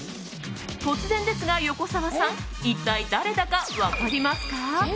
突然ですが横澤さん一体誰だか分かりますか？